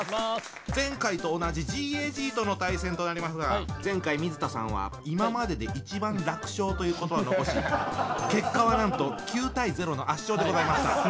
前回と同じＧＡＧとの対戦となりますが前回水田さんは「今までで一番楽勝」という言葉を残し結果はなんと９対０の圧勝でございました。